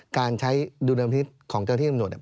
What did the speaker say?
การใช้ดุลพินิษฐ์ของเจ้าที่ตำรวจเนี่ย